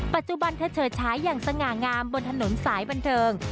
ปัจจุบันเธอเฉิดฉายอย่างสง่างามบนถนนสายบันเทิง